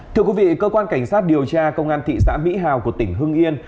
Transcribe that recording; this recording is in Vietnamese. thưa quý vị cơ quan cảnh sát điều tra công an thị xã mỹ hào của tỉnh hưng yên